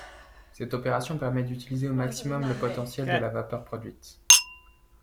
Cette opération permet d'utiliser au maximum le potentiel de la vapeur produite.